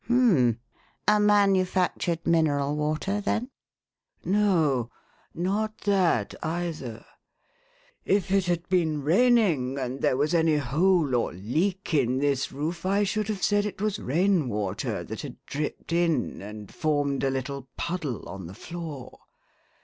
"Hum m m! A manufactured mineral water, then?" "No, not that, either. If it had been raining and there was any hole or leak in this roof, I should have said it was rainwater that had dripped in and formed a little puddle on the floor.